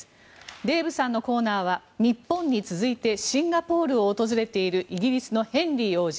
デーブさんのコーナーは日本に続いてシンガポールを訪れているイギリスのヘンリー王子。